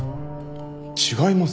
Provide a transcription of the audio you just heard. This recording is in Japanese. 違いますよ。